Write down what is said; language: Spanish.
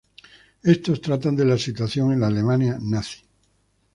Estos tratan de la situación en la Alemania nazi.